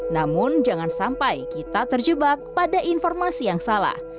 namun jangan sampai kita terjebak pada informasi yang salah